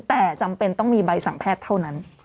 แต่จำเป็นต้องมีใบสั่งแพทย์เท่านั้น